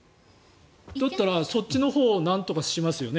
だったらそっちのほうをなんとかしますよね。